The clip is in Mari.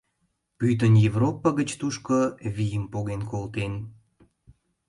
Пӱтынь Европа гыч тушко вийым поген колтен.